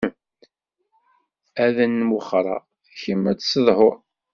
Ad n-wexreɣ, kemm ad tezhuḍ.